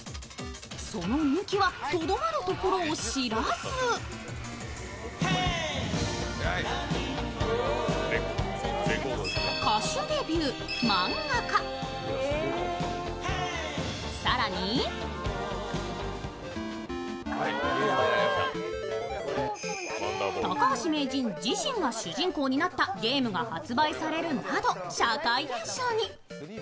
その人気はとどまることを知らず歌手デビュー、漫画化、更に、高橋名人自身が主人公になったゲームが発売されるなど社会現象に。